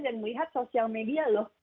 dan melihat sosial media lalu